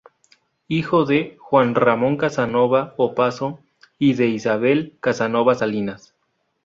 Hijo de Juan Ramón Casanova Opazo y de Isabel Casanova Salinas.